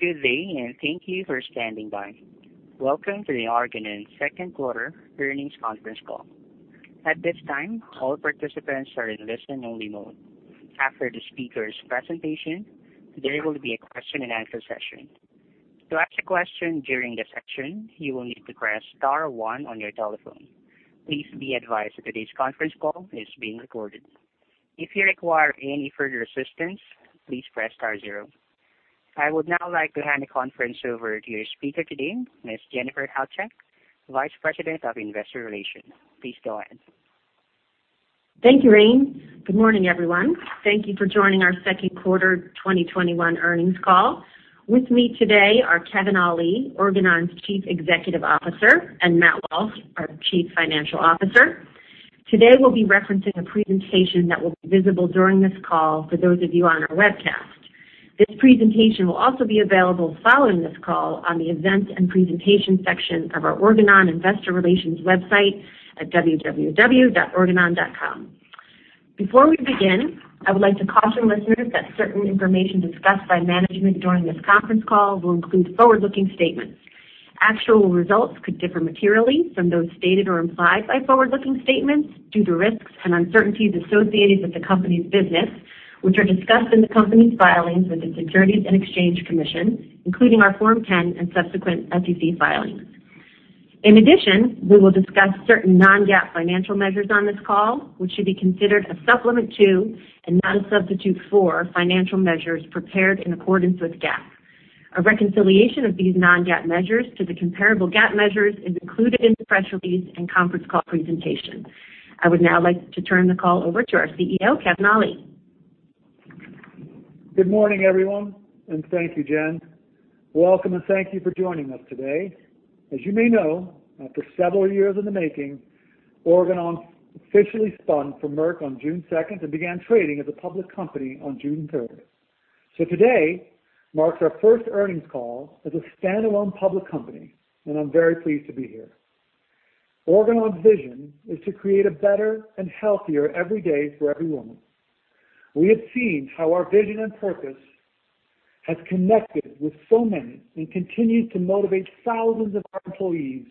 Good day, and thank you for standing by. Welcome to the Organon second quarter earnings conference call. At this time, all participants are in listen-only mode. After the speaker's presentation, there will be a question-and-answer session. To ask a question during this section, you will need to press star one on your telephone. Please be advised that today's conference call is being recorded. If you require any further assistance, please press star zero. I would now like to hand the conference over to your speaker today, Ms. Jennifer Halchak, Vice President of Investor Relations. Please go ahead. Thank you, Rain. Good morning, everyone. Thank you for joining our second quarter 2021 earnings call. With me today are Kevin Ali, Organon's Chief Executive Officer, and Matt Walsh, our Chief Financial Officer. Today, we'll be referencing a presentation that will be visible during this call for those of you on our webcast. This presentation will also be available following this call on the Events and Presentation section of our Organon Investor Relations website at www.organon.com. Before we begin, I would like to caution listeners that certain information discussed by management during this conference call will include forward-looking statements. Actual results could differ materially from those stated or implied by forward-looking statements due to risks and uncertainties associated with the company's business, which are discussed in the company's filings with the Securities and Exchange Commission, including our Form 10 and subsequent SEC filings. In addition, we will discuss certain non-GAAP financial measures on this call, which should be considered a supplement to and not a substitute for financial measures prepared in accordance with GAAP. A reconciliation of these non-GAAP measures to the comparable GAAP measures is included in the press release and conference call presentation. I would now like to turn the call over to our CEO, Kevin Ali. Good morning, everyone, and thank you, Jen. Welcome, and thank you for joining us today. As you may know, after several years in the making, Organon officially spun from Merck on June 2nd and began trading as a public company on June 3rd. Today marks our first earnings call as a standalone public company, and I'm very pleased to be here. Organon's vision is to create a better and healthier every day for every woman. We have seen how our vision and purpose have connected with so many and continue to motivate thousands of our employees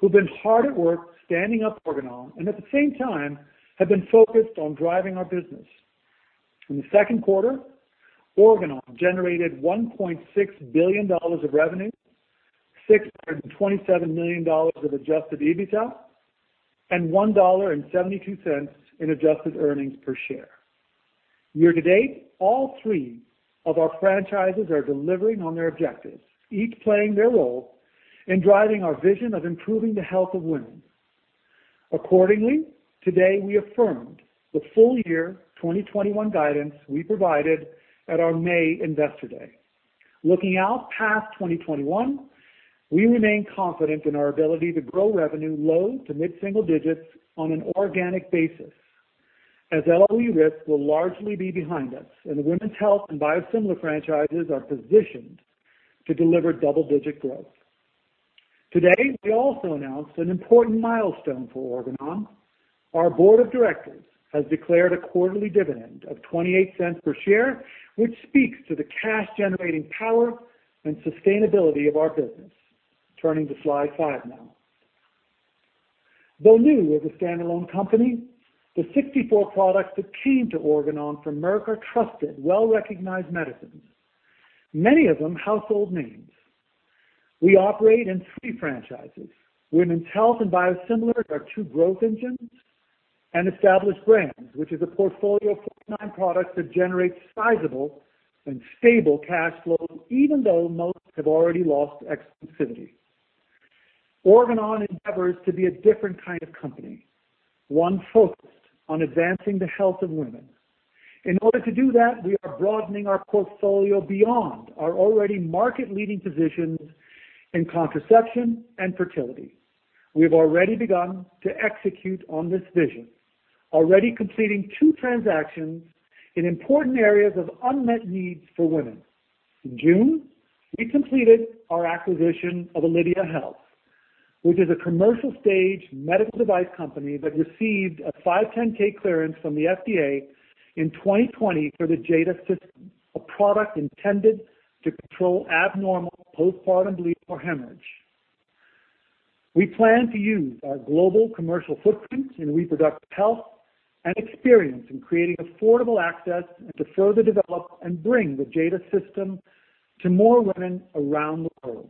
who've been hard at work standing up Organon and at the same time have been focused on driving our business. In the second quarter, Organon generated $1.6 billion of revenue, $627 million of adjusted EBITDA, and $1.72 in adjusted earnings per share. Year to date, all three of our franchises are delivering on their objectives, each playing their role in driving our vision of improving the health of women. Today we affirmed the full-year 2021 guidance we provided at our May investor day. Looking out past 2021, we remain confident in our ability to grow revenue low to mid-single digits on an organic basis as LOE risk will largely be behind us, and the women's health and biosimilar franchises are positioned to deliver double-digit growth. Today, we also announced an important milestone for Organon. Our board of directors has declared a quarterly dividend of $0.28 per share, which speaks to the cash-generating power and sustainability of our business. Turning to slide five now. Though new as a standalone company, the 64 products that came to Organon from Merck are trusted, well-recognized medicines, many of them household names. We operate in three franchises. Women's health and biosimilar are two growth engines, and Established Brands, which is a portfolio of 49 products that generate sizable and stable cash flows, even though most have already lost exclusivity. Organon endeavors to be a different kind of company, one focused on advancing the health of women. In order to do that, we are broadening our portfolio beyond our already market-leading positions in contraception and fertility. We have already begun to execute on this vision, already completing two transactions in important areas of unmet needs for women. In June, we completed our acquisition of Alydia Health, which is a commercial-stage medical device company that received a 510 clearance from the FDA in 2020 for the JADA system, a product intended to control abnormal postpartum bleed or hemorrhage. We plan to use our global commercial footprint in reproductive health and experience in creating affordable access and to further develop and bring the JADA System to more women around the world.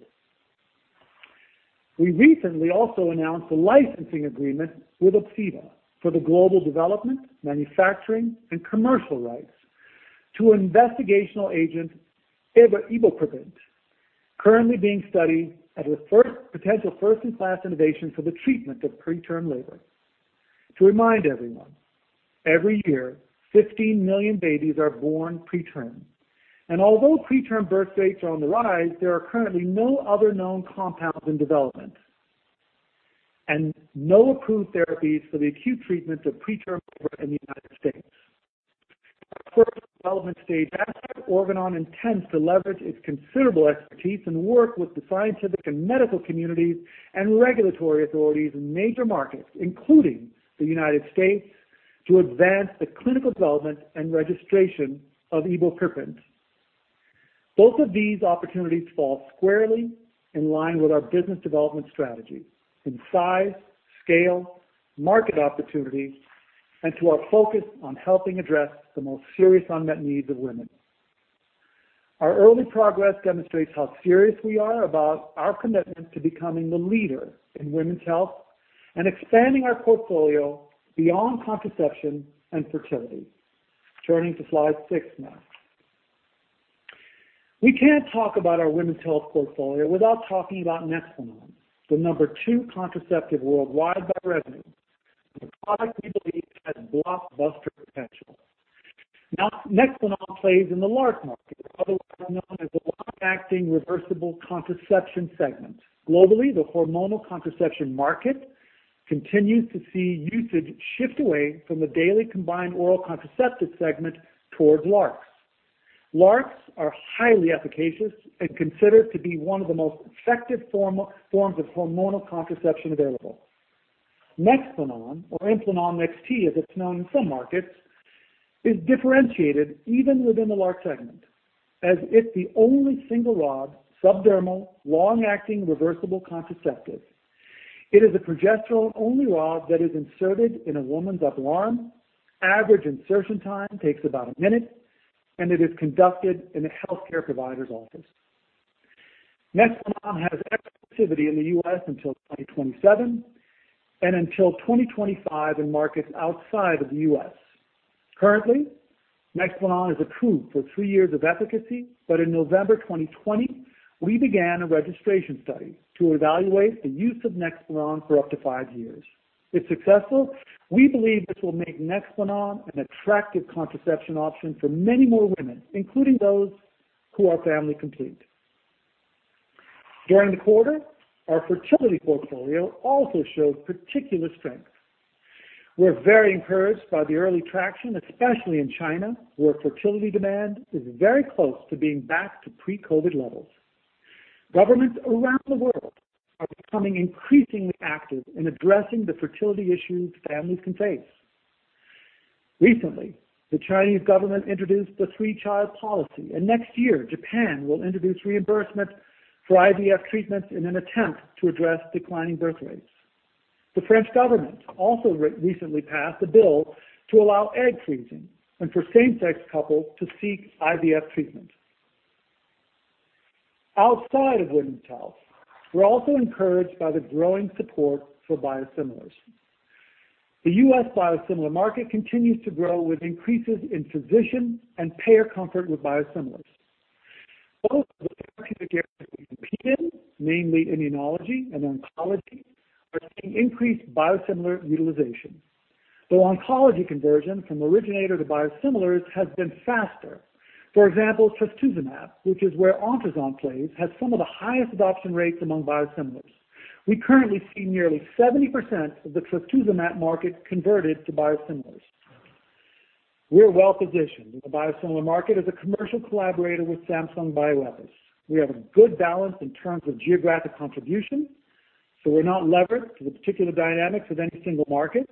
We recently also announced a licensing agreement with ObsEva for the global development, manufacturing, and commercial rights to investigational agent ebopiprant, currently being studied as a potential first-in-class innovation for the treatment of preterm labor. To remind everyone, every year, 15 million babies are born preterm, and although preterm birth rates are on the rise, there are currently no other known compounds in development and no approved therapies for the acute treatment of preterm labor in the U.S. With our first development-stage asset, Organon intends to leverage its considerable expertise and work with the scientific and medical communities and regulatory authorities in major markets, including the U.S., to advance the clinical development and registration of ebopiprant. Both of these opportunities fall squarely in line with our business development strategy in size, scale, market opportunities, and to our focus on helping address the most serious unmet needs of women. Our early progress demonstrates how serious we are about our commitment to becoming the leader in women's health and expanding our portfolio beyond contraception and fertility. Turning to slide six now. We can't talk about our women's health portfolio without talking about NEXPLANON, the number two contraceptive worldwide by revenue, and a product we believe has blockbuster potential. Now, NEXPLANON plays in the LARC market, otherwise known as the long-acting reversible contraception segment. Globally, the hormonal contraception market continues to see usage shift away from the daily combined oral contraceptive segment towards LARCs. LARCs are highly efficacious and considered to be one of the most effective forms of hormonal contraception available. NEXPLANON, or Implanon NXT, as it's known in some markets, is differentiated even within the LARC segment, as it's the only single rod, subdermal, long-acting, reversible contraceptive. It is a progesterone-only rod that is inserted in a woman's upper arm. Average insertion time takes about a minute, and it is conducted in a healthcare provider's office. NEXPLANON has exclusivity in the U.S. until 2027, and until 2025 in markets outside of the U.S. Currently, NEXPLANON is approved for three years of efficacy, in November 2020, we began a registration study to evaluate the use of NEXPLANON for up to five years. If successful, we believe this will make NEXPLANON an attractive contraception option for many more women, including those who are family complete. During the quarter, our fertility portfolio also showed particular strength. We're very encouraged by the early traction, especially in China, where fertility demand is very close to being back to pre-COVID levels. Governments around the world are becoming increasingly active in addressing the fertility issues families can face. Recently, the Chinese government introduced the three-child policy, and next year, Japan will introduce reimbursement for IVF treatments in an attempt to address declining birth rates. The French government also recently passed a bill to allow egg freezing and for same-sex couples to seek IVF treatment. Outside of women's health, we're also encouraged by the growing support for biosimilars. The U.S. biosimilar market continues to grow with increases in physician and payer comfort with biosimilars. Both of the therapeutic areas we compete in, namely immunology and oncology, are seeing increased biosimilar utilization, though oncology conversion from originator to biosimilars has been faster. For example, trastuzumab, which is where ONTRUZANT plays, has some of the highest adoption rates among biosimilars. We currently see nearly 70% of the trastuzumab market converted to biosimilars. We're well-positioned in the biosimilar market as a commercial collaborator with Samsung Bioepis. We have a good balance in terms of geographic contribution, so we're not levered to the particular dynamics of any single market.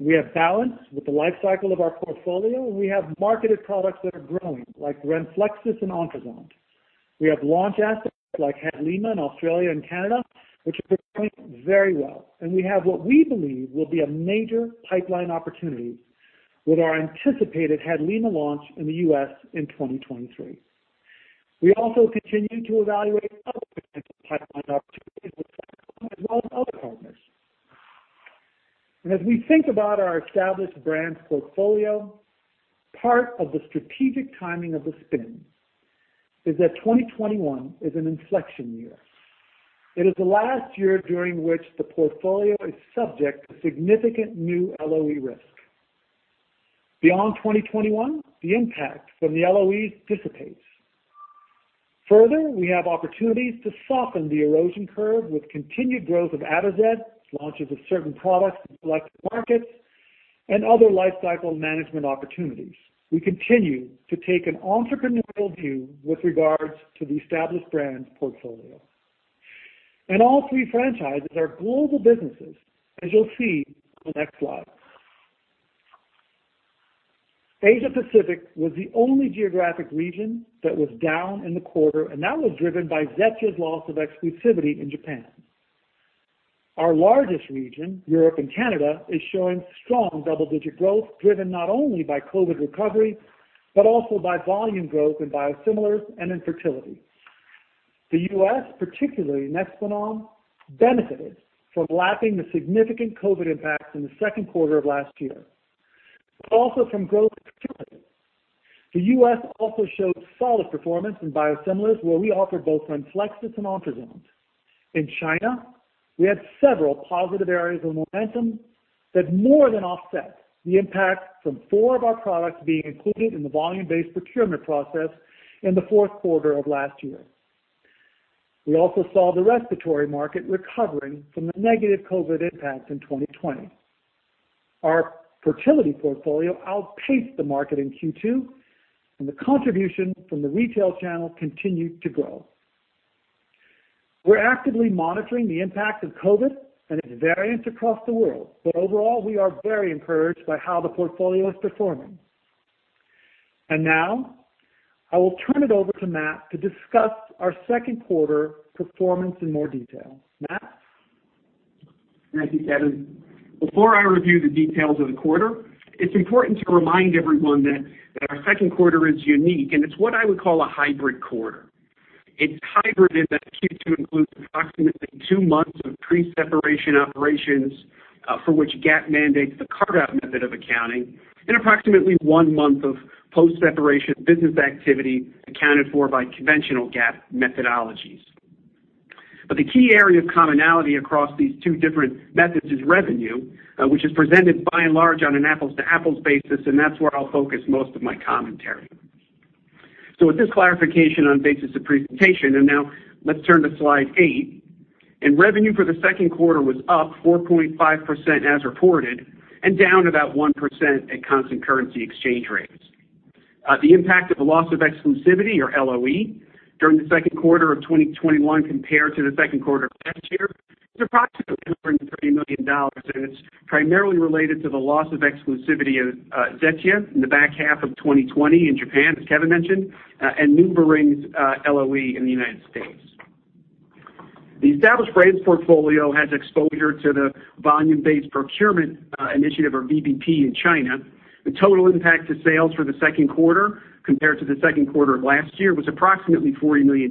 We have balance with the life cycle of our portfolio, and we have marketed products that are growing, like RENFLEXIS and ONTRUZANT. We have launch assets like HADLIMA in Australia and Canada, which are performing very well, and we have what we believe will be a major pipeline opportunity with our anticipated HADLIMA launch in the U.S. in 2023. We also continue to evaluate other potential pipeline opportunities with Samsung as well as other partners. As we think about our Established Brands portfolio, part of the strategic timing of the spin is that 2021 is an inflection year. It is the last year during which the portfolio is subject to significant new LOE risk. Beyond 2021, the impact from the LOEs dissipates. Further, we have opportunities to soften the erosion curve with continued growth of ATOZET, launches of certain products in select markets, and other lifecycle management opportunities. We continue to take an entrepreneurial view with regards to the Established Brands portfolio. All three franchises are global businesses, as you'll see on the next slide. Asia Pacific was the only geographic region that was down in the quarter, and that was driven by ZETIA's loss of exclusivity in Japan. Our largest region, Europe and Canada, is showing strong double-digit growth, driven not only by COVID recovery, but also by volume growth in biosimilars and in fertility. The U.S., particularly NEXPLANON, benefited from lapping the significant COVID impacts in the second quarter of last year, but also from growth in Q2. The U.S. also showed solid performance in biosimilars, where we offer both RENFLEXIS and ONTRUZANT. In China, we had several positive areas of momentum that more than offset the impact from four of our products being included in the volume-based procurement process in the fourth quarter of last year. We also saw the respiratory market recovering from the negative COVID impact in 2020. Our fertility portfolio outpaced the market in Q2, and the contribution from the retail channel continued to grow. We're actively monitoring the impact of COVID and its variants across the world, but overall, we are very encouraged by how the portfolio is performing. Now, I will turn it over to Matt to discuss our second quarter performance in more detail. Matt? Thank you, Kevin. Before I review the details of the quarter, it's important to remind everyone that our second quarter is unique, and it's what I would call a hybrid quarter. It's hybrid in that Q2 includes approximately two months of pre-separation operations, for which GAAP mandates the carve-out method of accounting, and approximately one month of post-separation business activity accounted for by conventional GAAP methodologies. The key area of commonality across these two different methods is revenue, which is presented by and large on an apples-to-apples basis, and that's where I'll focus most of my commentary. With this clarification on basis of presentation, now let's turn to slide eight. Revenue for the second quarter was up 4.5% as reported and down about 1% at constant currency exchange rates. The impact of the loss of exclusivity, or LOE, during the second quarter of 2021 compared to the second quarter of last year is approximately $130 million, and it's primarily related to the loss of exclusivity of ZETIA in the back half of 2020 in Japan, as Kevin mentioned, and NuvaRing's LOE in the United States. The Established Brands portfolio has exposure to the volume-based procurement initiative, or VBP, in China. The total impact to sales for the second quarter compared to the second quarter of last year was approximately $40 million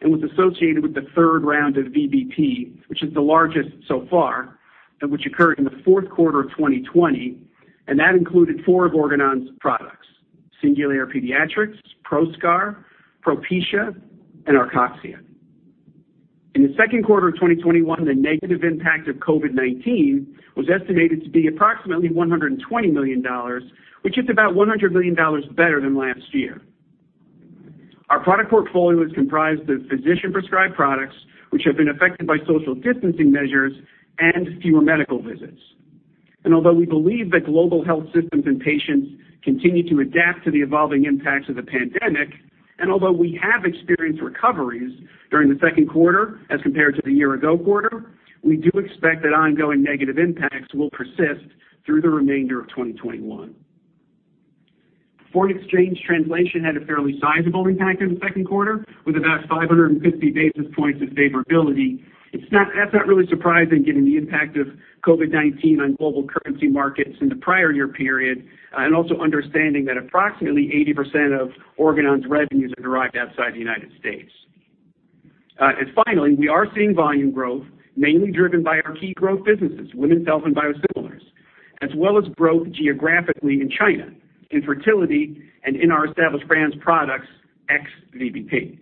and was associated with the third round of VBP, which is the largest so far, and which occurred in the fourth quarter of 2020, and that included four of Organon's products, SINGULAIR paediatric, PROSCAR, PROPECIA, and ARCOXIA. In the second quarter of 2021, the negative impact of COVID-19 was estimated to be approximately $120 million, which is about $100 million better than last year. Our product portfolio is comprised of physician-prescribed products, which have been affected by social distancing measures and fewer medical visits. Although we believe that global health systems and patients continue to adapt to the evolving impacts of the pandemic, and although we have experienced recoveries during the second quarter as compared to the year-ago quarter, we do expect that ongoing negative impacts will persist through the remainder of 2021. Foreign exchange translation had a fairly sizable impact in the second quarter, with about 550 basis points of favorability. That's not really surprising given the impact of COVID-19 on global currency markets in the prior year period, and also understanding that approximately 80% of Organon's revenues are derived outside the United States. Finally, we are seeing volume growth, mainly driven by our key growth businesses, Women's Health and Biosimilars, as well as growth geographically in China, in fertility, and in our Established Brands products, ex-VBP.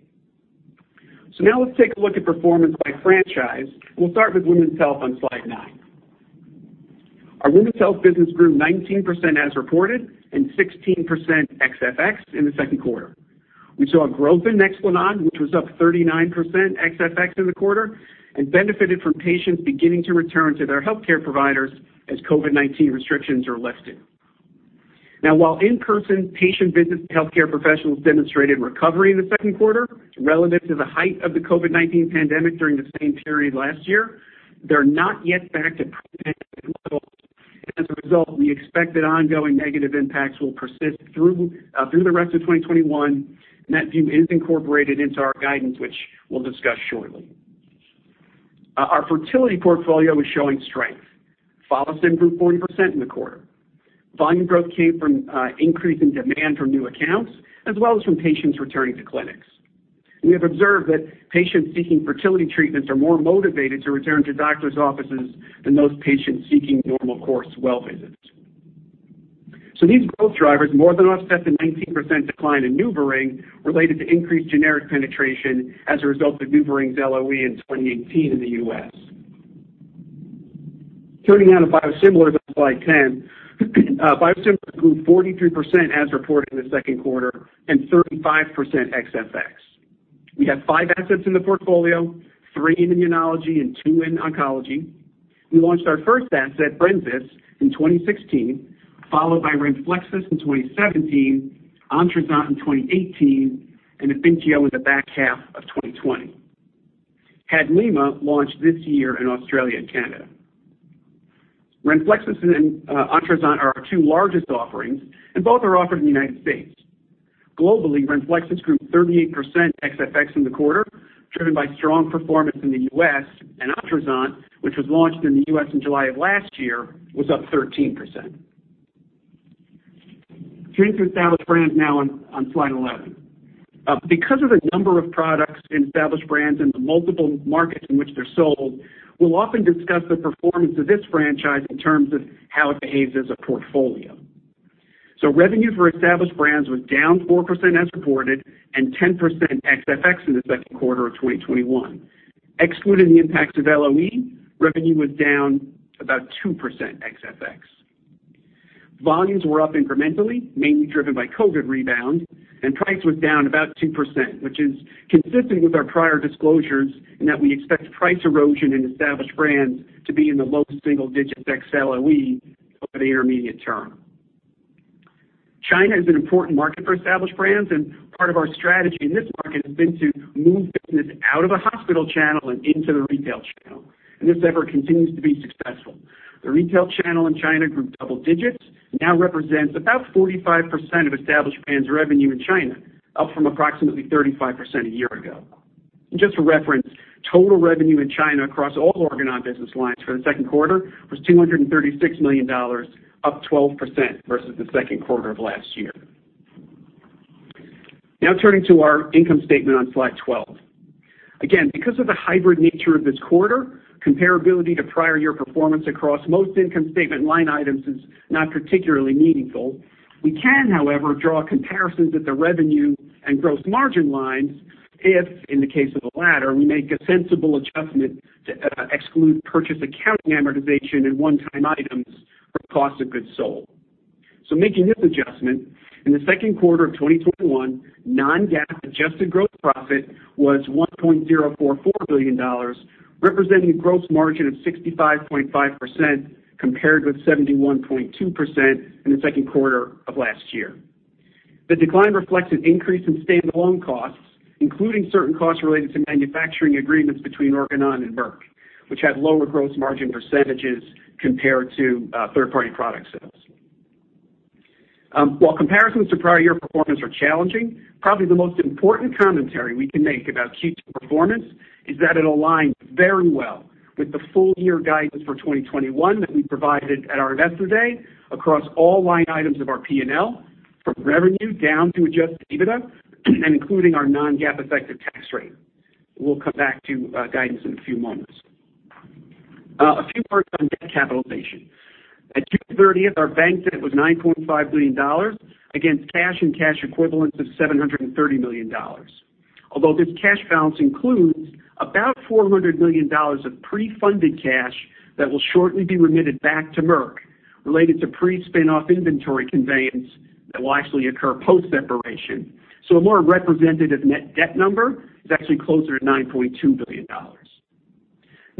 Now let's take a look at performance by franchise. We'll start with Women's Health on slide nine. Our Women's Health business grew 19% as reported and 16% ex-FX in the second quarter. We saw growth in NEXPLANON, which was up 39% ex-FX in the quarter and benefited from patients beginning to return to their healthcare providers as COVID-19 restrictions are lifted. Now, while in-person patient visits to healthcare professionals demonstrated recovery in the second quarter relative to the height of the COVID-19 pandemic during the same period last year, they're not yet back to pre-pandemic levels. As a result, we expect that ongoing negative impacts will persist through the rest of 2021. That view is incorporated into our guidance, which we'll discuss shortly. Our fertility portfolio is showing strength. FOLLISTIM grew 40% in the quarter. Volume growth came from increase in demand from new accounts as well as from patients returning to clinics. We have observed that patients seeking fertility treatments are more motivated to return to doctor's offices than those patients seeking normal course well visits. These growth drivers more than offset the 19% decline in NuvaRing related to increased generic penetration as a result of NuvaRing's LOE in 2018 in the U.S. Turning now to Biosimilars on slide 10. Biosimilars grew 43% as reported in the second quarter and 35% ex-FX. We have five assets in the portfolio, three in immunology and two in oncology. We launched our first asset, BRENZYS, in 2016, followed by RENFLEXIS in 2017, ONTRUZANT in 2018, and AYBINTIO in the back half of 2020. HADLIMA launched this year in Australia and Canada. RENFLEXIS and ONTRUZANT are our two largest offerings, and both are offered in the U.S. Globally, RENFLEXIS grew 38% ex-FX in the quarter, driven by strong performance in the U.S., and ONTRUZANT, which was launched in the U.S. in July of last year, was up 13%. Turning to Established Brands now on slide 11. Because of the number of products in Established Brands and the multiple markets in which they're sold, we'll often discuss the performance of this franchise in terms of how it behaves as a portfolio. Revenue for Established Brands was down 4% as reported and 10% ex-FX in the second quarter of 2021. Excluding the impacts of LOE, revenue was down about 2% ex-FX. Volumes were up incrementally, mainly driven by COVID rebound, and price was down about 2%, which is consistent with our prior disclosures in that we expect price erosion in Established Brands to be in the low single digits ex-LOE over the intermediate term. China is an important market for Established Brands, and part of our strategy in this market has been to move business out of a hospital channel and into the retail channel, and this effort continues to be successful. The retail channel in China grew double digits, now represents about 45% of Established Brands revenue in China, up from approximately 35% a year ago. Just for reference, total revenue in China across all Organon business lines for the second quarter was $236 million, up 12% versus the second quarter of last year. Now turning to our income statement on slide 12. Again, because of the hybrid nature of this quarter, comparability to prior year performance across most income statement line items is not particularly meaningful. We can, however, draw comparisons at the revenue and gross margin lines if, in the case of the latter, we make a sensible adjustment to exclude purchase accounting amortization and one-time items from cost of goods sold. Making this adjustment, in the second quarter of 2021, non-GAAP adjusted gross profit was $1.044 billion, representing gross margin of 65.5%, compared with 71.2% in the second quarter of last year. The decline reflects an increase in standalone costs, including certain costs related to manufacturing agreements between Organon and Merck, which had lower gross margin percentages compared to third-party product sales. While comparisons to prior year performance are challenging, probably the most important commentary we can make about Q2 performance is that it aligns very well with the full year guidance for 2021 that we provided at our Investor Day across all line items of our P&L, from revenue down to adjusted EBITDA and including our non-GAAP effective tax rate. We'll come back to guidance in a few moments. A few words on debt capitalization. At June 30th, our bank debt was $9.5 billion against cash and cash equivalents of $730 million. Although this cash balance includes about $400 million of pre-funded cash that will shortly be remitted back to Merck related to pre-spin off inventory conveyance that will actually occur post-separation. A more representative net debt number is actually closer to $9.2 billion.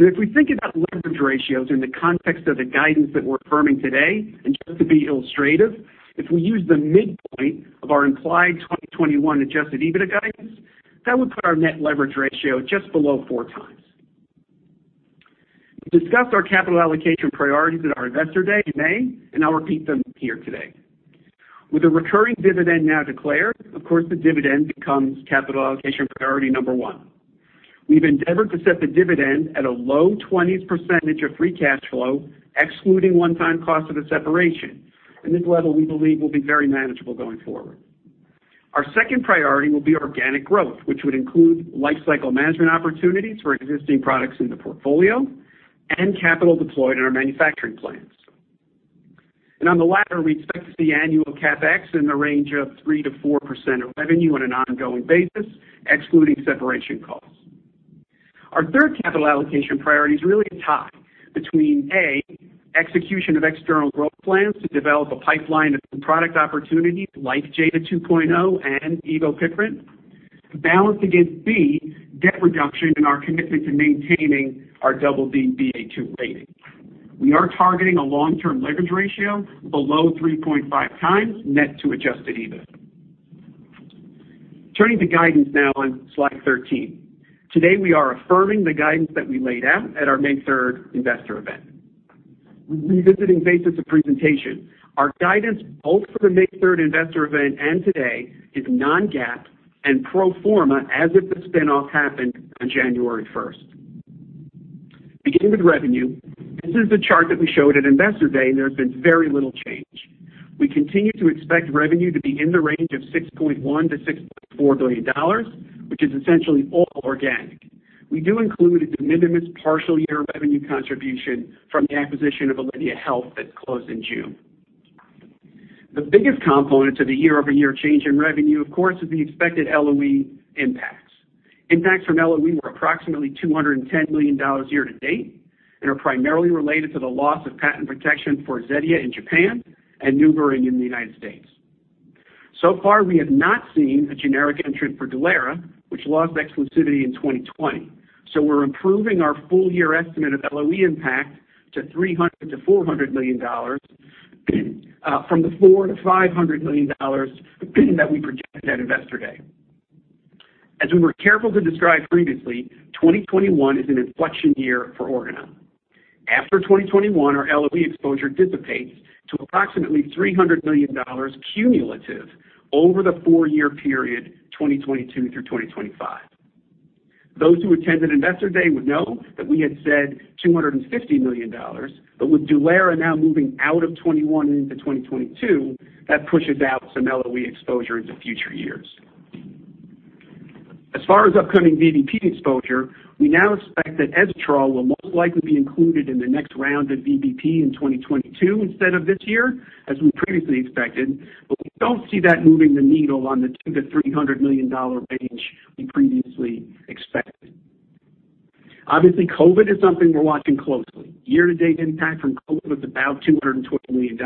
If we think about leverage ratios in the context of the guidance that we're affirming today, and just to be illustrative, if we use the midpoint of our implied 2021 adjusted EBITDA guidance, that would put our net leverage ratio just below 4x. We discussed our capital allocation priorities at our Investor Day in May, and I'll repeat them here today. With a recurring dividend now declared, of course, the dividend becomes capital allocation priority number one. We've endeavored to set the dividend at a low 20s% of free cash flow, excluding one-time cost of the separation. This level, we believe, will be very manageable going forward. Our second priority will be organic growth, which would include life cycle management opportunities for existing products in the portfolio and capital deployed in our manufacturing plants. On the latter, we expect the annual CapEx in the range of 3%-4% of revenue on an ongoing basis, excluding separation costs. Our third capital allocation priority is really a tie between, A, execution of external growth plans to develop a pipeline of new product opportunities like JADA 2.0 and ebopiprant, balanced against, B, debt reduction and our commitment to maintaining our BB/Ba2 rating. We are targeting a long-term leverage ratio below 3.5x net to adjusted EBITDA. Turning to guidance now on slide 13. Today, we are affirming the guidance that we laid out at our May 3rd investor event. Revisiting basis of presentation, our guidance both for the May 3rd investor event and today is non-GAAP and pro forma as if the spin-off happened on January 1st. Beginning with revenue, this is the chart that we showed at Investor Day, and there has been very little change. We continue to expect revenue to be in the range of $6.1 billion-$6.4 billion, which is essentially all organic. We do include a de minimis partial year revenue contribution from the acquisition of Alydia Health that closed in June. The biggest component to the year-over-year change in revenue, of course, is the expected LOE impacts. Impacts from LOE were approximately $210 million year to date and are primarily related to the loss of patent protection for ZETIA in Japan and NuvaRing in the United States. So far, we have not seen a generic entrant for DULERA, which lost exclusivity in 2020. We're improving our full year estimate of LOE impact to $300 million-$400 million from the $400 million-$500 million that we projected at Investor Day. As we were careful to describe previously, 2021 is an inflection year for Organon. After 2021, our LOE exposure dissipates to approximately $300 million cumulative over the four-year period, 2022 through 2025. Those who attended Investor Day would know that we had said $250 million, but with DULERA now moving out of 2021 into 2022, that pushes out some LOE exposure into future years. As far as upcoming VBP exposure, we now expect that EZETROL will most likely be included in the next round of VBP in 2022 instead of this year, as we previously expected, but we don't see that moving the needle on the $200 million-$300 million range we previously expected. Obviously, COVID is something we're watching closely. Year-to-date impact from COVID was about $220 million.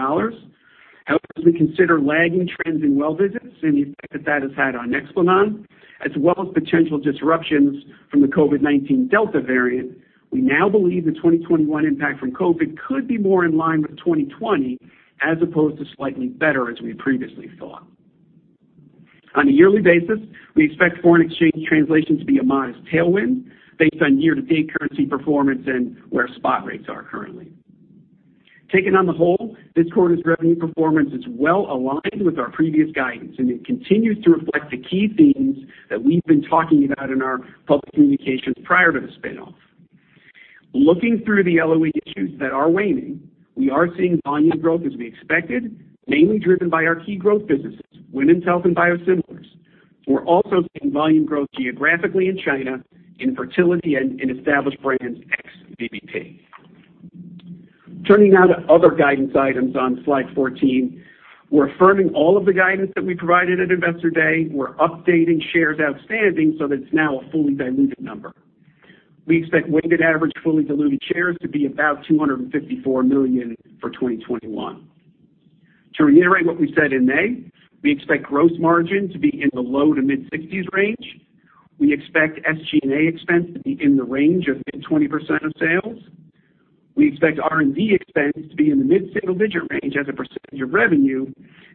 However, as we consider lagging trends in well visits and the effect that that has had on NEXPLANON, as well as potential disruptions from the COVID-19 Delta variant, we now believe the 2021 impact from COVID could be more in line with 2020 as opposed to slightly better as we previously thought. On a yearly basis, we expect foreign exchange translation to be a modest tailwind based on year-to-date currency performance and where spot rates are currently. Taken on the whole, this quarter's revenue performance is well-aligned with our previous guidance, and it continues to reflect the key themes that we've been talking about in our public communications prior to the spinoff. Looking through the LOE issues that are waning, we are seeing volume growth as we expected, mainly driven by our key growth businesses, women's health and biosimilars. We're also seeing volume growth geographically in China, in fertility and Established Brands, ex-VBP. Turning now to other guidance items on slide 14. We're affirming all of the guidance that we provided at Investor Day. We're updating shares outstanding so that it's now a fully diluted number. We expect weighted average fully diluted shares to be about $254 million for 2021. To reiterate what we said in May, we expect gross margin to be in the low to mid-60s%. We expect SG&A expense to be in the range of mid-20% of sales. We expect R&D expense to be in the mid-single-digit range as a percentage of revenue.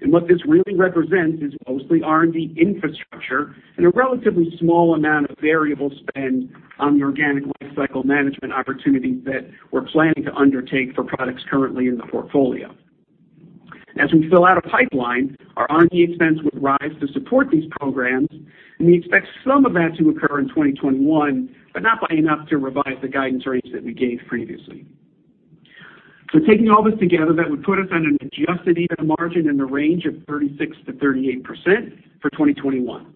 What this really represents is mostly R&D infrastructure and a relatively small amount of variable spend on the organic lifecycle management opportunities that we're planning to undertake for products currently in the portfolio. As we fill out a pipeline, our R&D expense would rise to support these programs. We expect some of that to occur in 2021, not by enough to revise the guidance range that we gave previously. Taking all this together, that would put us on an adjusted EBITDA margin in the range of 36%-38% for 2021.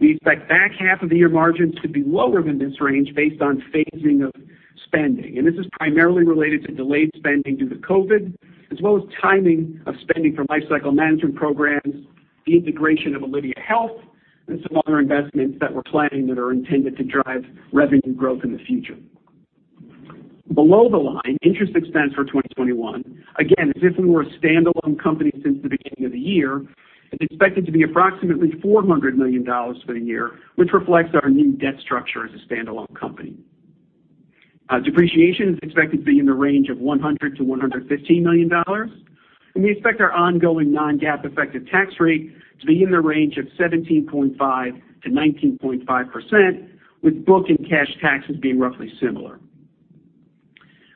We expect back half of the year margins to be lower than this range based on phasing of spending. This is primarily related to delayed spending due to COVID, as well as timing of spending for lifecycle management programs, the integration of Alydia Health, and some other investments that we're planning that are intended to drive revenue growth in the future. Below the line, interest expense for 2021, again, as if we were a standalone company since the beginning of the year, is expected to be approximately $400 million for the year, which reflects our new debt structure as a standalone company. Depreciation is expected to be in the range of $100 million-$115 million. We expect our ongoing non-GAAP effective tax rate to be in the range of 17.5%-19.5%, with book and cash taxes being roughly similar.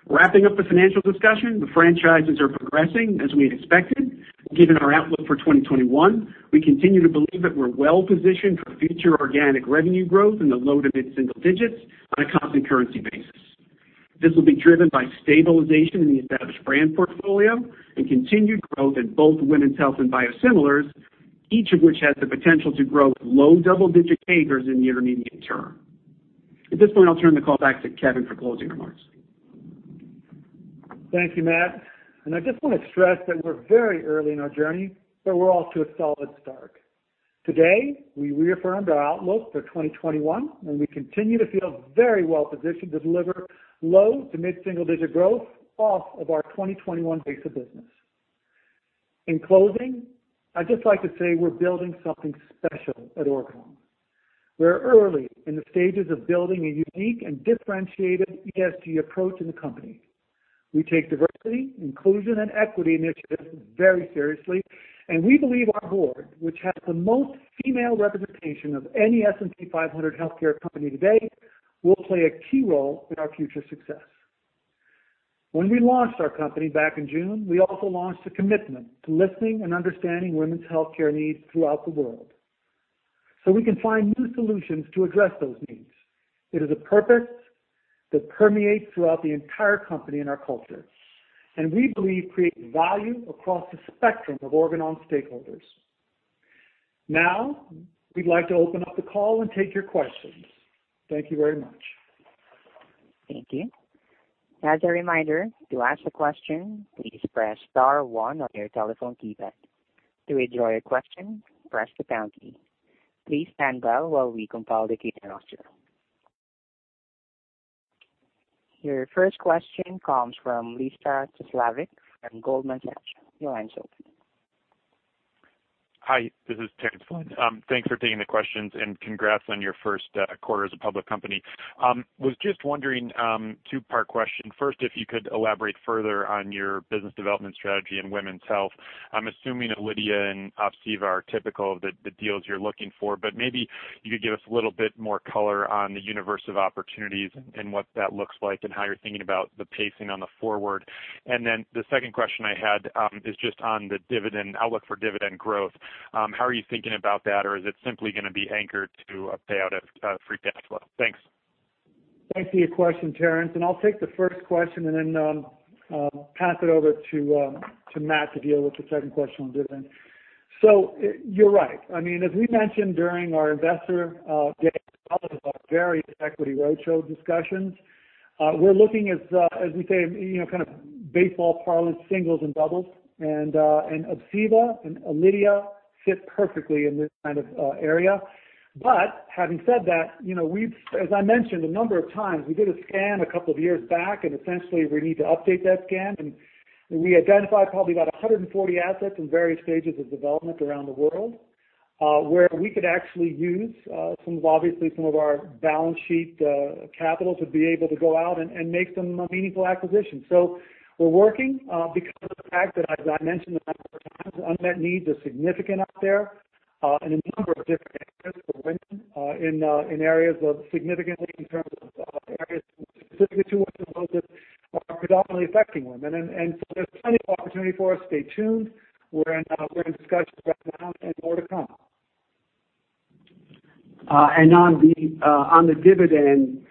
Wrapping up the financial discussion, the franchises are progressing as we had expected. Given our outlook for 2021, we continue to believe that we're well-positioned for future organic revenue growth in the low-to mid-single digits on a constant currency basis. This will be driven by stabilization in the established brand portfolio and continued growth in both women's health and biosimilars, each of which has the potential to grow low double-digit CAGRs in the intermediate term. At this point, I'll turn the call back to Kevin for closing remarks. Thank you, Matt. I just want to stress that we're very early in our journey, but we're off to a solid start. Today, we reaffirmed our outlook for 2021, and we continue to feel very well-positioned to deliver low- to mid-single digit growth off of our 2021 base of business. In closing, I'd just like to say we're building something special at Organon. We're early in the stages of building a unique and differentiated ESG approach in the company. We take diversity, inclusion, and equity initiatives very seriously, and we believe our board, which has the most female representation of any S&P 500 healthcare company today, will play a key role in our future success. When we launched our company back in June, we also launched a commitment to listening and understanding women's healthcare needs throughout the world so we can find new solutions to address those needs. It is a purpose that permeates throughout the entire company and our culture, and we believe creates value across the spectrum of Organon stakeholders. We'd like to open up the call and take your questions. Thank you very much. Thank you. As a reminder to ask a question, please press star one on your telephone keypad. To withdraw your question press the pound key. Please stand by while we compile the question roster. Your first question comes from Lisa Slavic from Goldman Sachs. Your line's open. Hi, this is Terence Flynn. Thanks for taking the questions and congrats on your first quarter as a public company. Was just wondering, two-part question. First, if you could elaborate further on your business development strategy in women's health. I'm assuming Alydia and ObsEva are typical of the deals you're looking for, but maybe you could give us a little bit more color on the universe of opportunities and what that looks like and how you're thinking about the pacing on the forward. The second question I had is just on the outlook for dividend growth. How are you thinking about that? Is it simply going to be anchored to a payout of free cash flow? Thanks. Thanks for your question, Terence, and I'll take the first question and then pass it over to Matt to deal with the second question on dividends. You're right. As we mentioned during our Investor Day virtual equity roadshow discussions, we're looking as we say, kind of baseball parlance, singles and doubles, and ObsEva and Alydia fit perfectly in this kind of area. Having said that, as I mentioned a number of times, we did a scan a couple years back, and essentially we need to update that scan. We identified probably about 140 assets in various stages of development around the world, where we could actually use obviously some of our balance sheet capital to be able to go out and make some meaningful acquisitions. We're working because of the fact that, as I mentioned a number of times, unmet needs are significant out there, in a number of different areas for women, in areas of significantly, in terms of areas specifically to women's health that are predominantly affecting women. There's plenty of opportunity for us. Stay tuned. We're in discussions right now and more to come. On the dividend,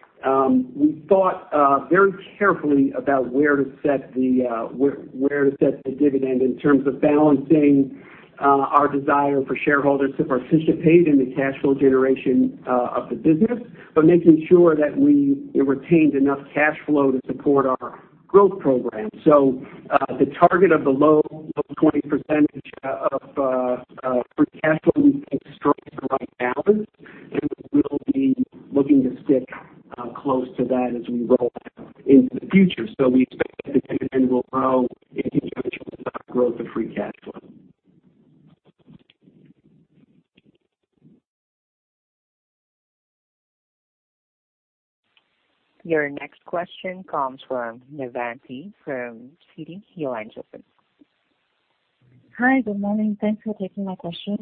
we thought very carefully about where to set the dividend in terms of balancing our desire for shareholders to participate in the cash flow generation of the business, but making sure that we retained enough cash flow to support our growth program. The target of the low 20% of free cash flow, we think strikes the right balance, and we'll be looking to stick close to that as we roll out into the future. We expect the dividend will grow in conjunction with our growth of free cash flow. Your next question comes from Navann Ty from Citi. Your line's open. Hi, good morning. Thanks for taking my question.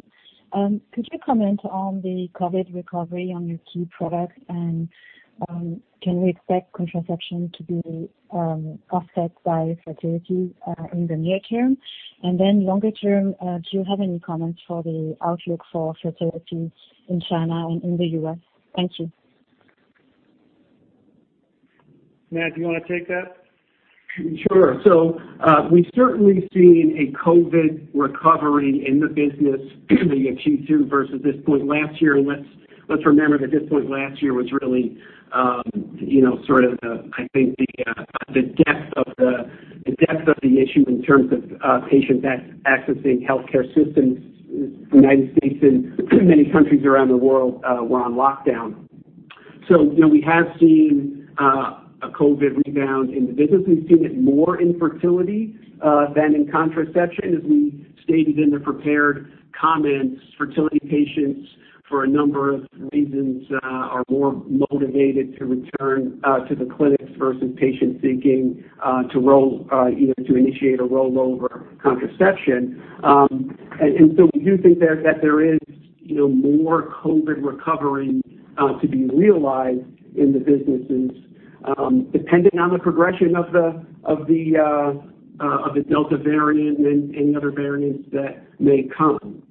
Could you comment on the COVID recovery on your key products, and can we expect contraception to be offset by fertility in the near term? Longer term, do you have any comments for the outlook for fertility in China and in the U.S.? Thank you. Matt, do you want to take that? Sure. We've certainly seen a COVID recovery in the business in Q2 versus this point last year. Let's remember that this point last year was really sort of, I think the depth of the issue in terms of patients accessing healthcare systems. The U.S. and many countries around the world were on lockdown. We have seen a COVID rebound in the business. We've seen it more in fertility than in contraception. As we stated in the prepared comments, fertility patients, for a number of reasons, are more motivated to return to the clinics versus patients seeking to initiate a rollover contraception. We do think that there is more COVID recovery to be realized in the businesses, depending on the progression of the delta variant and any other variants that may come.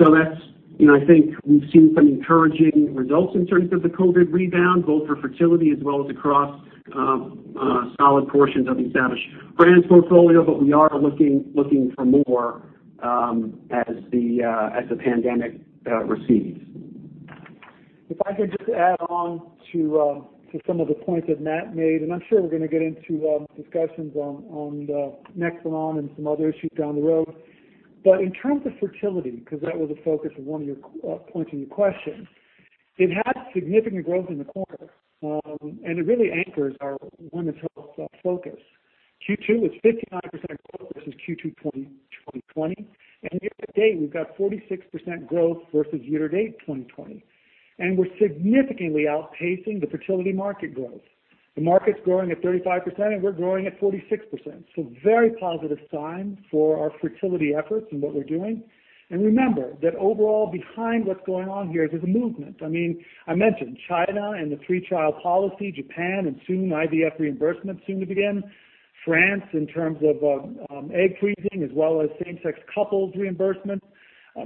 I think we've seen some encouraging results in terms of the COVID rebound, both for fertility as well as across solid portions of Established Brands portfolio. We are looking for more as the pandemic recedes. If I could just add on to some of the points that Matt made, I'm sure we're going to get into discussions on NEXPLANON and some other issues down the road. In terms of fertility, because that was a focus of one of your points in your question, it had significant growth in the quarter. It really anchors our women's health focus. Q2 was 59% growth versus Q2 2020. Year to date, we've got 46% growth versus year to date 2020. We're significantly outpacing the fertility market growth. The market's growing at 35%, and we're growing at 46%. Very positive sign for our fertility efforts and what we're doing. Remember that overall, behind what's going on here, there's a movement. I mentioned China and the three-child policy, Japan, and soon IVF reimbursement soon to begin. France in terms of egg freezing as well as same-sex couples reimbursement.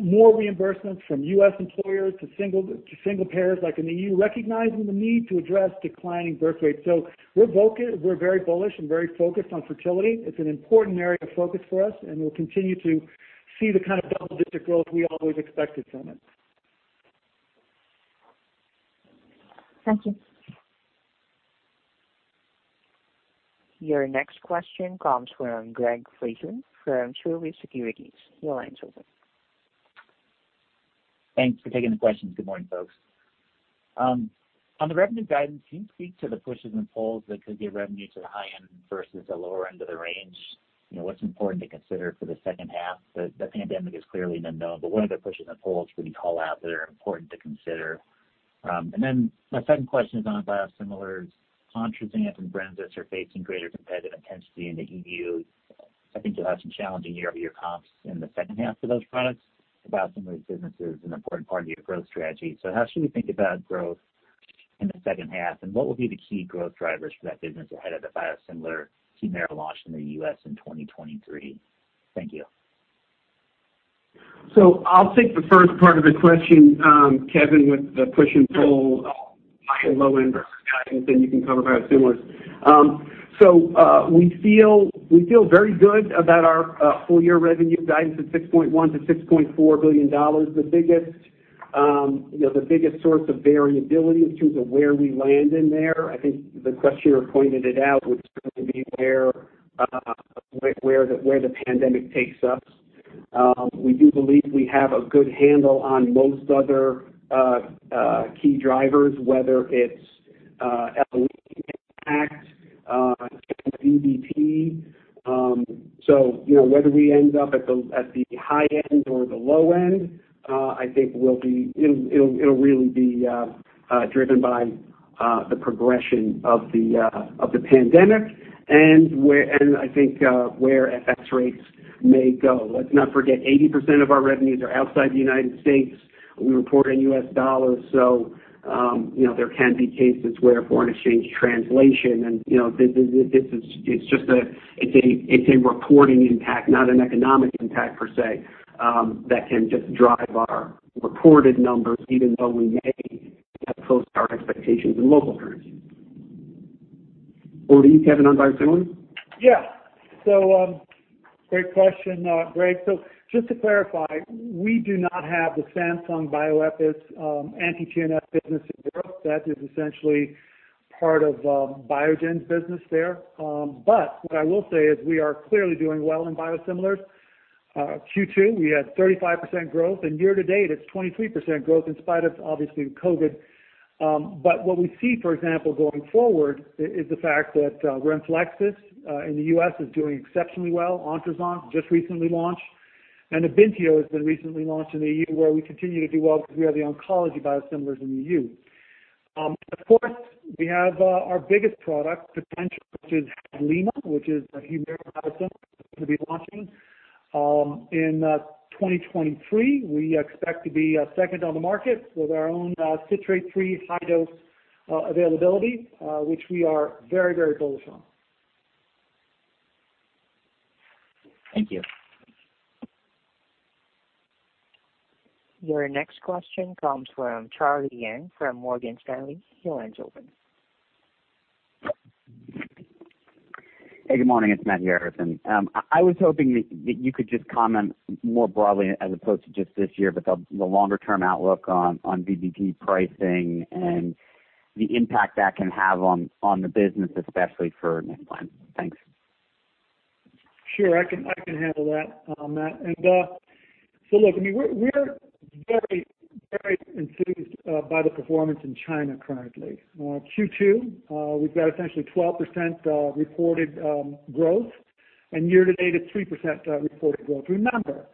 More reimbursements from U.S. employers to single pairs like in the EU, recognizing the need to address declining birth rates. We're very bullish and very focused on fertility. It's an important area of focus for us, and we'll continue to see the kind of double-digit growth we always expected from it. Thank you. Your next question comes from Greg Fraser from Truist Securities. Your line's open. Thanks for taking the questions. Good morning, folks. On the revenue guidance, can you speak to the pushes and pulls that could give revenue to the high end versus the lower end of the range? What's important to consider for the second half? The pandemic is clearly an unknown, but what are the pushes and pulls for the call out that are important to consider? My second question is on biosimilars. ONTRUZANT and BRENZYS are facing greater competitive intensity in the EU. I think you'll have some challenging year-over-year comps in the second half for those products. The biosimilars business is an important part of your growth strategy. How should we think about growth in the second half, and what will be the key growth drivers for that business ahead of the biosimilar HUMIRA launch in the U.S. in 2023? Thank you. I'll take the first part of the question, Kevin, with the push and pull, high and low end revenue guidance, and you can cover biosimilars. We feel very good about our full-year revenue guidance of $6.1 billion-$6.4 billion. The biggest source of variability in terms of where we land in there, I think the questioner pointed it out, would certainly be where the pandemic takes us. We do believe we have a good handle on most other key drivers, whether it's LOE impact, China VBP. So, whether we end up at the high end or the low end, I think it'll really be driven by the progression of the pandemic and I think where FX rates may go. Let's not forget 80% of our revenues are outside the United States. We report in US dollars, so there can be cases where foreign exchange translation and it's a reporting impact, not an economic impact per se, that can just drive our reported numbers even though we may have posted our expectations in local currency. Over to you, Kevin, on biosimilars. Great question, Greg. Just to clarify, we do not have the Samsung Bioepis anti-TNF business in Europe. That is essentially part of Biogen's business there. What I will say is we are clearly doing well in biosimilars. Q2, we had 35% growth and year to date it's 23% growth in spite of obviously COVID. What we see, for example, going forward is the fact that RENFLEXIS in the U.S. is doing exceptionally well. ONTRUZANT just recently launched and AYBINTIO has been recently launched in the EU, where we continue to do well because we have the oncology biosimilars in the EU. Of course, we have our biggest product potential, which is HADLIMA, which is a HUMIRA biosimilar that's going to be launching in 2023. We expect to be second on the market with our own citrate-free high dose availability which we are very, very bullish on. Thank you. Your next question comes from Charlie Yang from Morgan Stanley. Your line's open. Hey, good morning. It's Matthew Harrison. I was hoping that you could just comment more broadly as opposed to just this year, but the longer term outlook on VBP pricing and the impact that can have on the business, especially for NEXPLANON. Thanks. Sure, I can handle that, Matt. Look, we're very enthused by the performance in China currently. Q2, we've got essentially 12% reported growth and year to date it's 3% reported growth. Remember,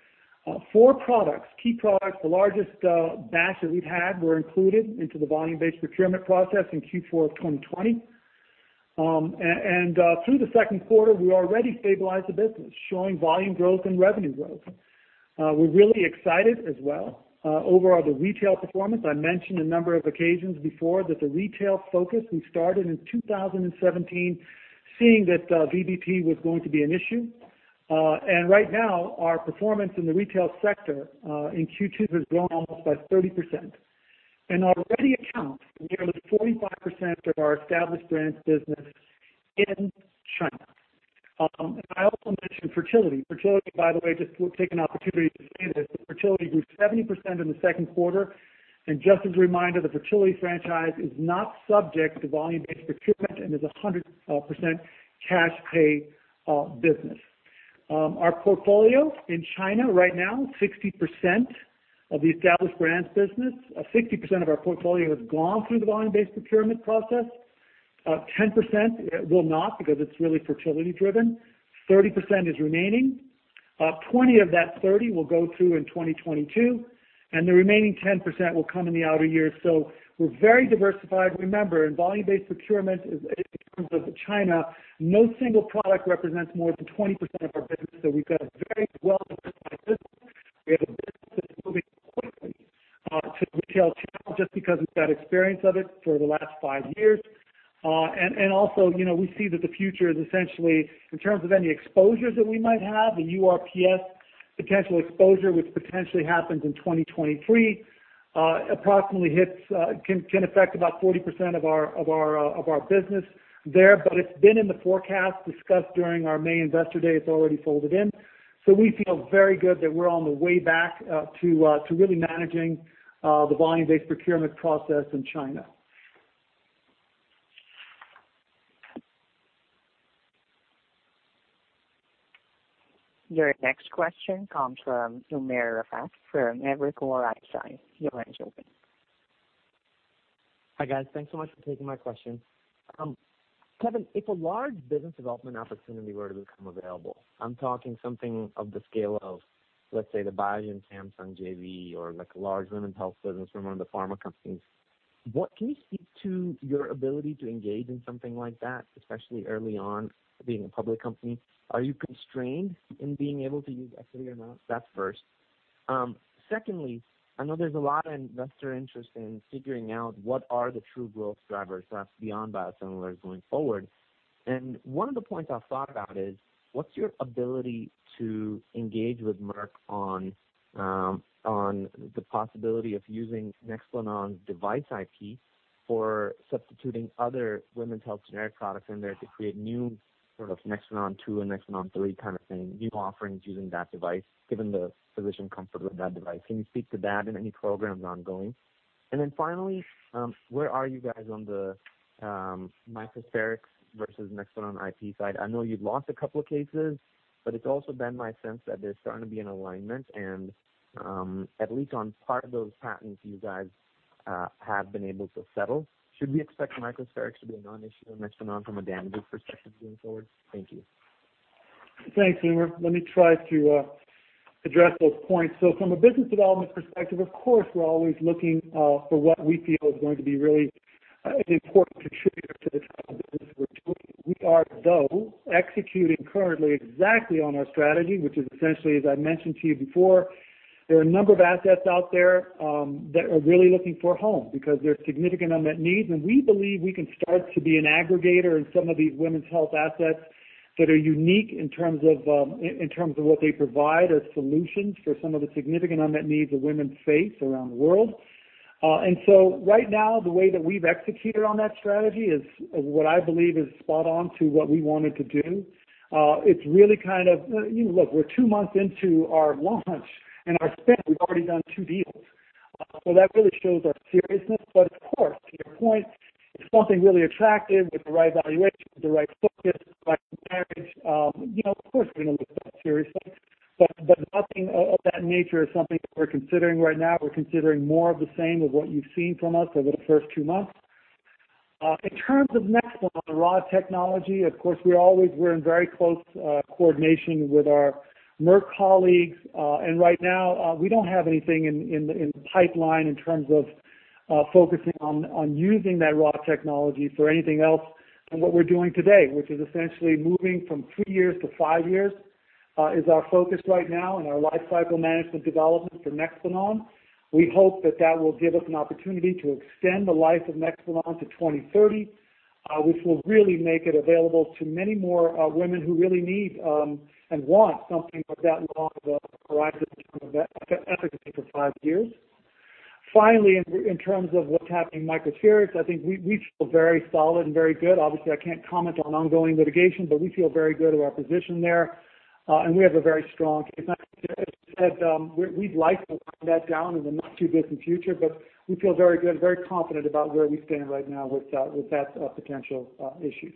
four products, key products, the largest batch that we've had were included into the volume based procurement process in Q4 of 2020. Through the second quarter, we already stabilized the business, showing volume growth and revenue growth. We're really excited as well over the retail performance. I mentioned a number of occasions before that the retail focus we started in 2017 seeing that VBP was going to be an issue. Right now our performance in the retail sector in Q2 has grown almost by 30% and already accounts for nearly 45% of our Established Brands business in China. I also mentioned fertility. Fertility, by the way, just will take an opportunity to say this, but fertility grew 70% in the second quarter. Just as a reminder, the fertility franchise is not subject to volume based procurement and is 100% cash pay business. Our portfolio in China right now, 60% of the Established Brands business, 60% of our portfolio has gone through the volume based procurement process. 10% will not because it's really fertility driven, 30% is remaining. 20 of that 30 will go through in 2022, and the remaining 10% will come in the outer years. We're very diversified. Remember, in volume-based procurement in terms of China, no single product represents more than 20% of our business. We've got a very well-diversified business. We have a business that's moving quickly to retail channel just because it's got experience of it for the last five years. Also we see that the future is essentially in terms of any exposures that we might have, the URPS potential exposure, which potentially happens in 2023 approximately can affect about 40% of our business there. It's been in the forecast discussed during our May investor day. It's already folded in, so we feel very good that we're on the way back to really managing the volume based procurement process in China. Your next question comes from Umer Raffat for Evercore ISI. Your line's open. Hi, guys. Thanks so much for taking my question. Kevin, if a large business development opportunity were to become available, I'm talking something of the scale of, let's say, the Biogen Samsung JV or like a large women's health business from one of the pharma companies. Can you speak to your ability to engage in something like that, especially early on being a public company? Are you constrained in being able to use equity amounts? That's first. Secondly, I know there's a lot of investor interest in figuring out what are the true growth drivers that's beyond biosimilars going forward. One of the points I've thought about is what's your ability to engage with Merck on the possibility of using NEXPLANON device IP for substituting other women's health generic products in there to create new sort of NEXPLANON 2 and NEXPLANON 3 kind of thing, new offerings using that device, given the physician comfort with that device. Can you speak to that and any programs ongoing? Finally, where are you guys on the Microspherix versus NEXPLANON IP side? I know you've lost a couple of cases, it's also been my sense that there's starting to be an alignment and at least on part of those patents you guys have been able to settle. Should we expect Microspherix to be a non-issue on NEXPLANON from a damages perspective going forward? Thank you. Thanks, Umer. Let me try to address those points. From a business development perspective, of course, we're always looking for what we feel is going to be really an important contributor to the type of business we're doing. We are, though, executing currently exactly on our strategy, which is essentially, as I mentioned to you before, there are a number of assets out there that are really looking for a home because there are significant unmet needs, and we believe we can start to be an aggregator in some of these women's health assets that are unique in terms of what they provide as solutions for some of the significant unmet needs that women face around the world. Right now, the way that we've executed on that strategy is what I believe is spot on to what we wanted to do. We're two months into our launch and our spend, we've already done two deals. That really shows our seriousness. Of course, to your point, if something really attractive with the right valuation, the right focus, the right marriage, of course, we're going to look at that seriously. Nothing of that nature is something that we're considering right now. We're considering more of the same of what you've seen from us over the first two months. In terms of NEXPLANON, the rod technology, of course, we're in very close coordination with our Merck colleagues. Right now we don't have anything in the pipeline in terms of focusing on using that rod technology for anything else than what we're doing today, which is essentially moving from three years to five years, is our focus right now and our lifecycle management development for NEXPLANON. We hope that that will give us an opportunity to extend the life of NEXPLANON to 2030, which will really make it available to many more women who really need and want something with that long of a horizon in terms of efficacy for five years. Finally, in terms of what's happening in Microspherix, I think we feel very solid and very good. Obviously, I can't comment on ongoing litigation, but we feel very good of our position there. We have a very strong case. As you said, we'd like to lock that down in the not-too-distant future, but we feel very good, very confident about where we stand right now with that potential issue.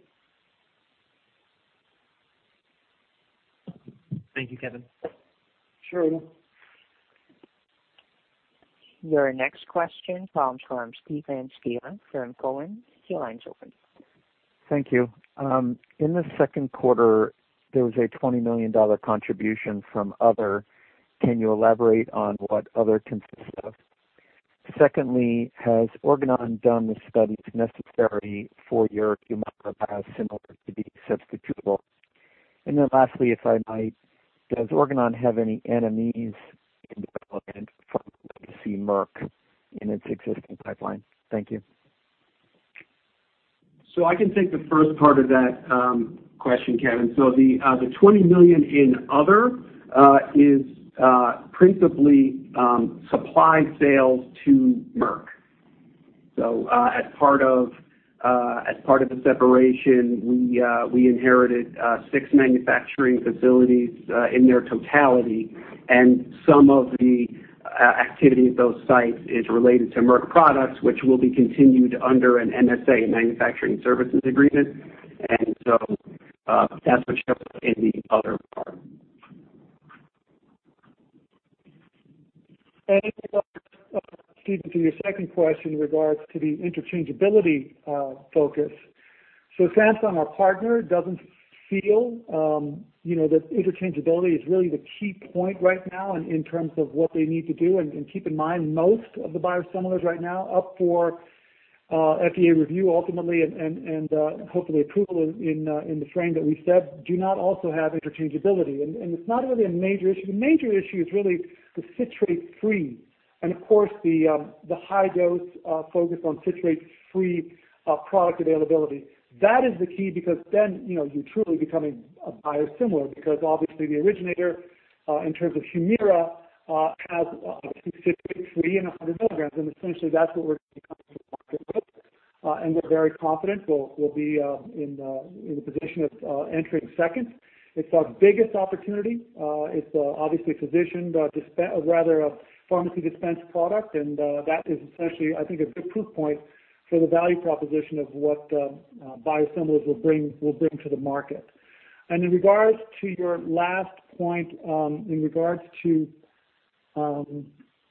Thank you, Kevin. Sure. Your next question comes from Steve Scala from Cowen. Your line is open. Thank you. In the second quarter, there was a $20 million contribution from "other." Can you elaborate on what "other" consists of? Secondly, has Organon done the studies necessary for your HUMIRA biosimilar to be substitutable? Lastly, if I might, does Organon have any NMEs in development from legacy Merck in its existing pipeline? Thank you. I can take the first part of that question, Kevin. The $20 million in "other" is principally supply sales to Merck. As part of the separation, we inherited six manufacturing facilities in their totality, and some of the activity at those sites is related to Merck products, which will be continued under an MSA, a manufacturing services agreement. That's what shows up in the "other" part. In regards, Steve, to your second question in regards to the interchangeability focus. Samsung, our partner, doesn't feel that interchangeability is really the key point right now in terms of what they need to do, and keep in mind, most of the biosimilars right now up for FDA review ultimately and hopefully approval in the frame that we said, do not also have interchangeability. It's not really a major issue. The major issue is really the citrate-free and of course, the high dose focused on citrate-free product availability. That is the key because then you truly become a biosimilar because obviously the originator, in terms of HUMIRA, has citrate-free and 100 mg, and essentially that's what we're becoming to market with. We're very confident we'll be in the position of entering second. It's our biggest opportunity. It's obviously a physician, or rather a pharmacy-dispensed product, and that is essentially, I think, a good proof point for the value proposition of what biosimilars will bring to the market. In regards to your last point, in regards to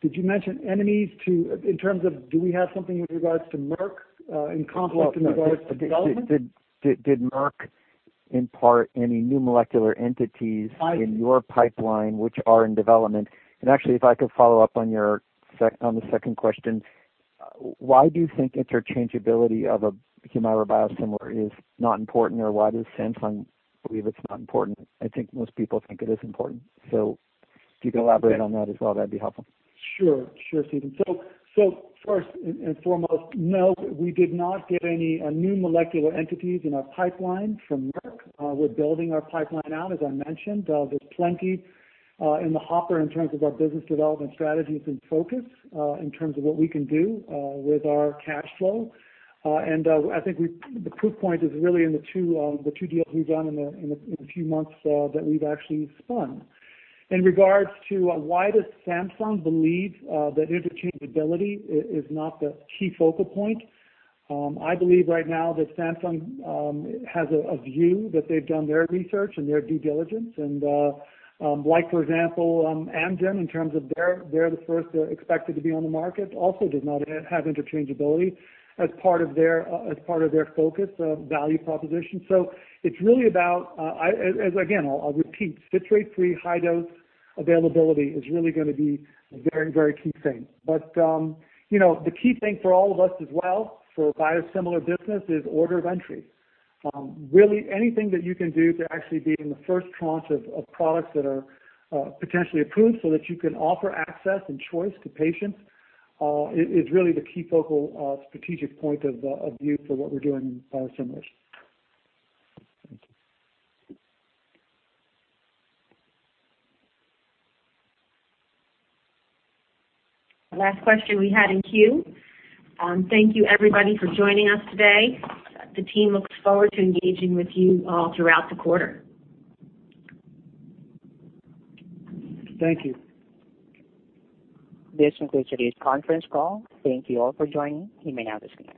did you mention enemies in terms of do we have something in regards to Merck in conflict in regards to development? Did Merck impart any new molecular entities in your pipeline, which are in development? Actually, if I could follow up on the second question, why do you think interchangeability of a HUMIRA biosimilar is not important, or why does Samsung believe it's not important? I think most people think it is important. If you could elaborate on that as well, that'd be helpful. Sure, Steve Scala. First and foremost, no, we did not get any new molecular entities in our pipeline from Merck. We're building our pipeline out, as I mentioned. There's plenty in the hopper in terms of our business development strategies and focus in terms of what we can do with our cash flow. I think the proof point is really in the two deals we've done in the few months that we've actually spun. In regards to why does Samsung believe that interchangeability is not the key focal point? I believe right now that Samsung has a view that they've done their research and their due diligence, and like, for example, Amgen, in terms of they're the first expected to be on the market, also does not have interchangeability as part of their focus value proposition. It's really about, again, I'll repeat, citrate-free, high-dose availability is really going to be a very key thing. The key thing for all of us as well for biosimilar business is order of entry. Anything that you can do to actually be in the first tranche of products that are potentially approved so that you can offer access and choice to patients is really the key focal strategic point of view for what we're doing in biosimilars. Thank you. Last question we had in queue. Thank you everybody for joining us today. The team looks forward to engaging with you all throughout the quarter. Thank you. This concludes today's conference call. Thank you all for joining. You may now disconnect.